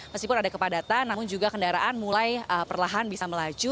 meskipun ada kepadatan namun juga kendaraan mulai perlahan bisa melaju